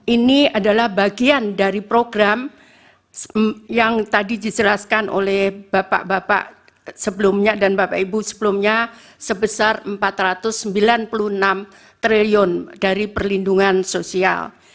ini adalah bagian dari program yang tadi dijelaskan oleh bapak bapak sebelumnya dan bapak ibu sebelumnya sebesar rp empat ratus sembilan puluh enam triliun dari perlindungan sosial